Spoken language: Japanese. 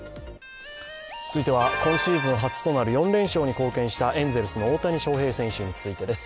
続いては今シーズン初となる４連勝に貢献したエンゼルスの大谷翔平選手についてです。